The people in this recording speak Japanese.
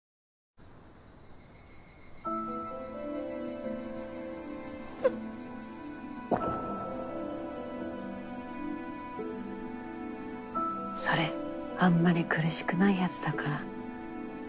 ゴクッそれあんまり苦しくないやつだから。